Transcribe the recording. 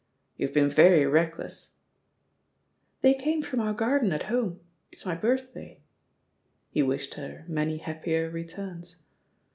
"You've been very reckless I" "They came from our garden at home; it's my birthday." He wished her "Many happier returns."